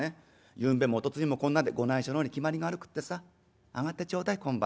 ゆんべもおとついもこんなでご内所の方にきまりが悪くってさ上がってちょうだい今晩。